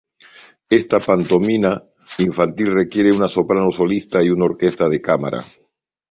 Esta pantomima infantil requiere una soprano solista y una orquesta de cámara.